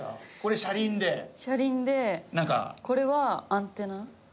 車輪でこれはアンテナ？